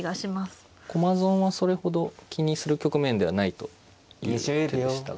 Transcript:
駒損はそれほど気にする局面ではないという手でしたが。